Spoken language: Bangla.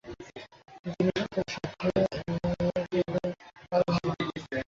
জিনিসপত্র সাথে নিয়ে গেলে আরো ভালো।